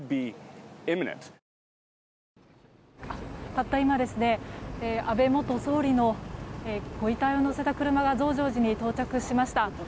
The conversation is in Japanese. たった今安倍元総理のご遺体を乗せた車が増上寺に到着しました。